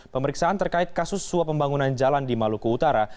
pemeriksaan terkait kasus suap pembangunan jalan di maluku utara